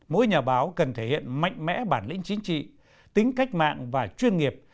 mỗi nhà báo cần thể hiện mạnh mẽ bản lĩnh chính trị tính cách mạng và chuyên nghiệp